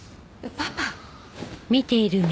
パパ。